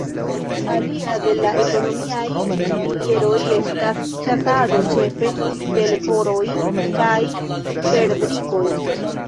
Alia de la ekonomiaj pilieroj estas ĉasado ĉefe de leporoj kaj perdrikoj.